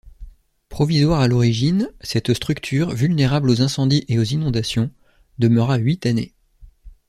Provisoire à l’origine, cette structure, vulnérable aux incendies et aux inondations, demeura huit années.